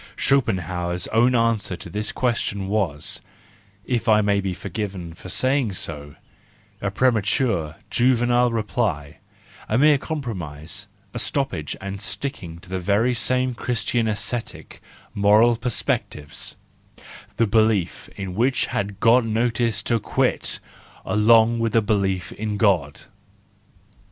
Schopenhauer's own answer to this question was—if I may be forgiven for saying so— a premature, juvenile reply, a mere compromise, a stoppage and sticking in the very same Christian ascetic, moral perspectives, the belief in which had got notice to quit along with the belief in God.